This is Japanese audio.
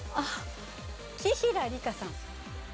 紀平梨花さん。